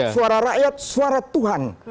suara rakyat suara tuhan